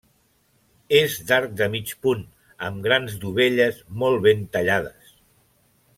És d'arc de mig punt amb grans dovelles molt ben tallades.